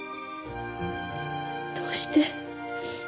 どうして？